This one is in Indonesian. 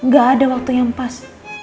gak ada waktu yang pas